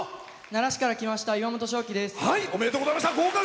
奈良市から来ましたいわもとです。